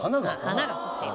華が欲しい。